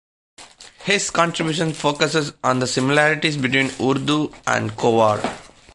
His contributions focuses on the similarities between Urdu and Khowar.